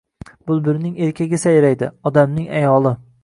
Bulbulning erkagi sayraydi. Odamning-ayoli.